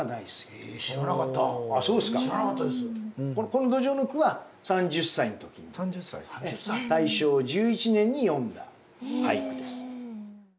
このどじょうの句は３０歳の時に大正１１年に詠んだ俳句です。